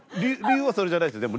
理由はそれじゃないですよ。